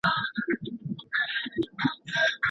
که ته غواړې سرعت زیات کړي نو په تنظیماتو کي یې بدلون راوړه.